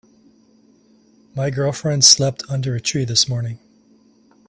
My girlfriend slept under a tree this morning.